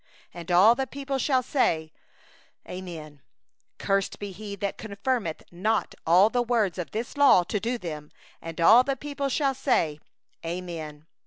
And all the people shall say: Amen. 26Cursed be he that confirmeth not the words of this law to do them. And all the people shall say: Amen.